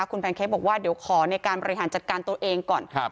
คุณแพนเค้กบอกว่าเดี๋ยวขอในการบริหารจัดการตัวเองก่อน